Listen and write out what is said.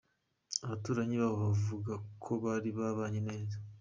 Abaturanyi babo bavuga ko bari babanye neza.